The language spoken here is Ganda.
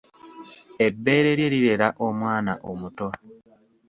Ebbeere lye lirera omwana omuto.